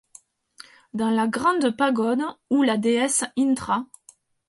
Dans la grande pagode où la déesse Intra